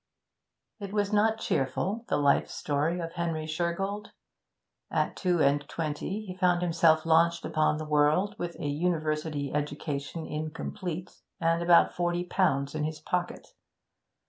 It was not cheerful, the life story of Henry Shergold. At two and twenty he found himself launched upon the world, with a university education incomplete and about forty pounds in his pocket.